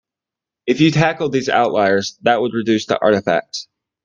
If you tackled these outliers that would reduce the artifacts.